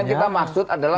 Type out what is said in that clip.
yang kita maksud adalah